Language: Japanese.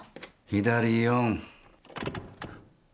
左４。